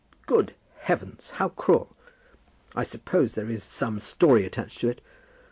"Good heavens; how cruel! I suppose there is some story attached to it.